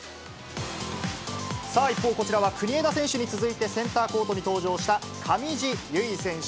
さあ、一方こちらは国枝選手に続いてセンターコートに登場した上地結衣選手。